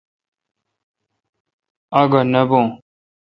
اگھہ نہ بھوں۔